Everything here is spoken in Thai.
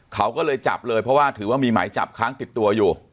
เขาก็เลยจับเลยเพราะว่าถือว่ามีหมายจับค้างติดตัวอยู่